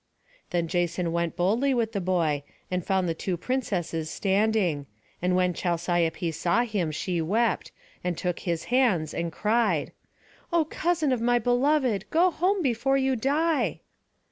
Then Jason went boldly with the boy, and found the two princesses standing; and when Chalciope saw him she wept, and took his hands, and cried: "O cousin of my beloved, go home before you die!"